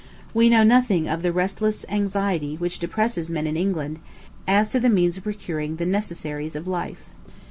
We know nothing of the restless anxiety which depresses men in England as to the means of procuring the necessaries of life.